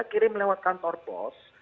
kirim lewat kantor pos